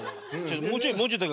もうちょいもうちょっと高く。